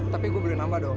tapi gue beliin nambah doang